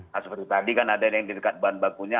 nah seperti tadi kan ada yang di dekat bahan bakunya